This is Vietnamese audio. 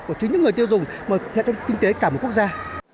của chính những người tiêu dùng mà thiệt hại cho kinh tế cả một quốc gia